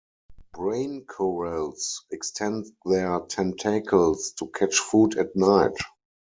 Brain corals extend their tentacles to catch food at night.